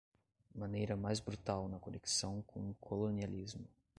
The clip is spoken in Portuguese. maneira mais brutal na conexão com o colonialismo